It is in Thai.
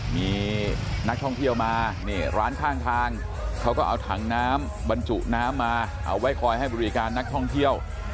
มีนักท่องเที่ยวมานี่ร้านข้างทางเขาก็เอาถังน้ำบรรจุน้ำมาเอาไว้คอยให้บริการนักท่องเที่ยว